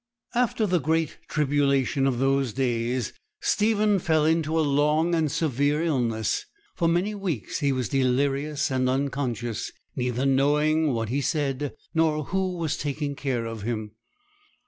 After the great tribulation of those days Stephen fell into a long and severe illness. For many weeks he was delirious and unconscious, neither knowing what he said nor who was taking care of him.